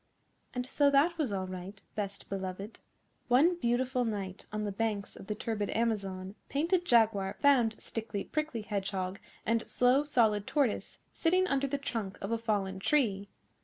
And so that was all right, Best Beloved. One beautiful night on the banks of the turbid Amazon, Painted Jaguar found Stickly Prickly Hedgehog and Slow Solid Tortoise sitting under the trunk of a fallen tree.